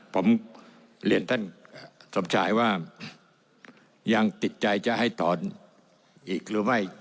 ผมเรียนท่านสมชายว่ายังติดใจจะให้ตอนอีกหรือไม่